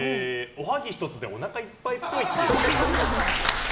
おはぎ１つでおなかいっぱいっぽい。